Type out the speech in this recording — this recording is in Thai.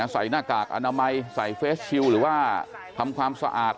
หน้ากากอนามัยใส่เฟสชิลหรือว่าทำความสะอาด